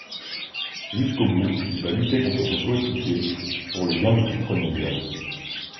Jusqu'au bout, il va lutter contre son coéquipier pour le gain du titre mondial.